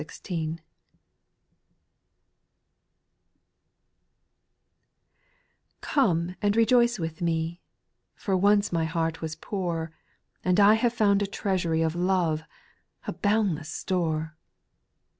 1, /^OME and rejoice with me I \j For once my heart was poor, And I have found a treasury Of love, a boundless store.